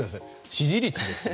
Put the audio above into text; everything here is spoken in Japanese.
支持率ですよ。